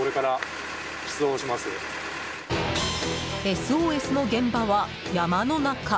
ＳＯＳの現場は、山の中。